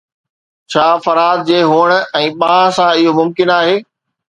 ڇا فرهاد جي هٿن ۽ ٻانهن سان اهو ممڪن آهي؟